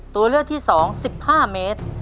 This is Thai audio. ตัวเลือกที่๒สิบห้าเมตร